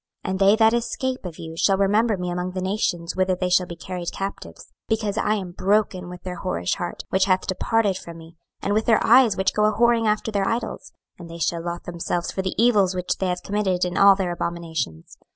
26:006:009 And they that escape of you shall remember me among the nations whither they shall be carried captives, because I am broken with their whorish heart, which hath departed from me, and with their eyes, which go a whoring after their idols: and they shall lothe themselves for the evils which they have committed in all their abominations.